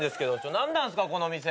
何なんですかこの店。